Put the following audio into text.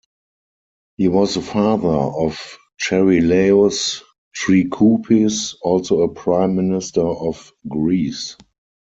He was the father of Charilaos Trikoupis, also a Prime Minister of Greece.